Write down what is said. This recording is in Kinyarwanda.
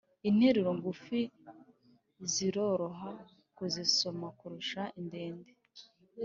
Interuro ngufi ziroroha kuzisoma kurusha indende